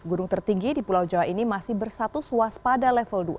gunung tertinggi di pulau jawa ini masih bersatu suas pada level dua